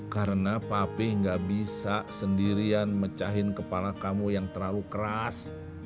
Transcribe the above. karena pak pi nggak bisa sendirian mecahin kepala kamu yang terlalu keras